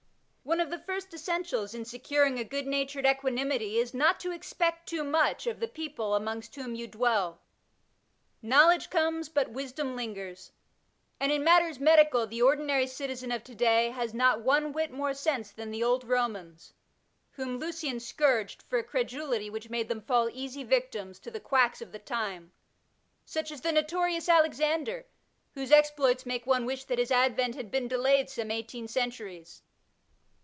One of the first essentials in securing a good natured equanimity is not to expect too much of the people amongst whom you dwell. *' Knowledge comes, but wisdom lingers," and in matters medical the ordinary citizen of to day has not one whit more sense than the old Romans, whom Lucian scourged for a credulity which made them fall easy victims to the quacks of the time, such as the notorious Alexander, whose exploits make one wish that his advent had been delayed some eighteen centuries.